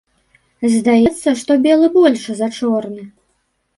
Здаецца, што белы большы за чорны.